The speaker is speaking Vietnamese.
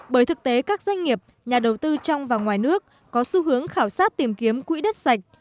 bởi thực tế các doanh nghiệp nhà đầu tư trong và ngoài nước có xu hướng khảo sát tìm kiếm quỹ đất sạch